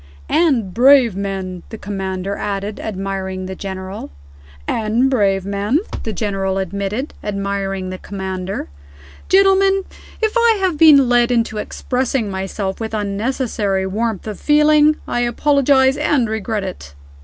"And brave men," the Commander added, admiring the General. "And brave men," the General admitted, admiring the Commander. "Gentlemen, if I have been led into expressing myself with unnecessary warmth of feeling, I apologize, and regret it.